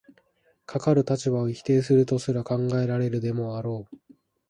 かかる立場を否定するとすら考えられるでもあろう。